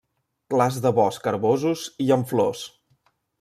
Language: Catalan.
Clars de bosc herbosos i amb flors.